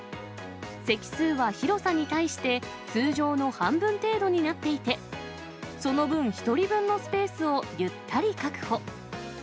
席数は広さに対して、通常の半分程度になっていて、その分、１人分のスペースをゆったり確保。